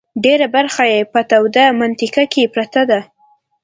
ډېره برخه یې په توده منطقه کې پرته ده.